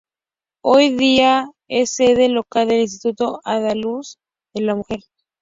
Hoy día es sede local del Instituto Andaluz de la Mujer.